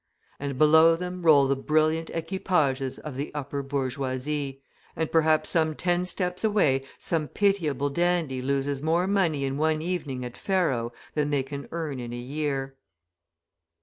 And below them roll the brilliant equipages of the upper bourgeoisie, and perhaps ten steps away some pitiable dandy loses more money in one evening at faro than they can earn in a year.